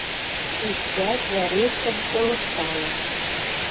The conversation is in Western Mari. Тиштӓк вӓрештӹн колышталаш —